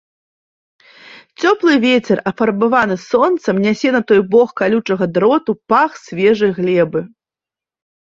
Цёплы вецер, афарбаваны сонцам, нясе на той бок калючага дроту пах свежай глебы.